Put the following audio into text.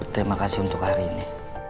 terima kasih untuk hari ini